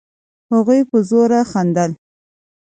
هغوی په زوره خندل.